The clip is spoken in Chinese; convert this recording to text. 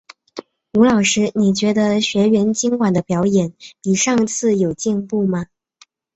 吴老师，你觉得学员今晚的表演比上次有进步吗？